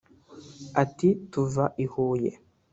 Ati “Tuva i Huye